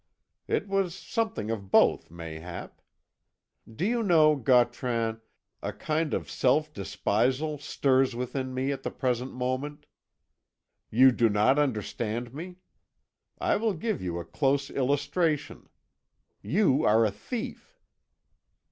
It was something of both, mayhap. Do you know, Gautran, a kind of self despisal stirs within me at the present moment? You do not understand me? I will give you a close illustration. You are a thief."